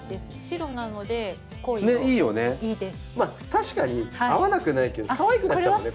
確かに合わなくないけどかわいくなっちゃうもんね。